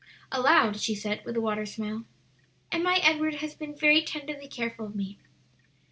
Aloud she said, with a watery smile, "And my Edward has been very tenderly careful of me."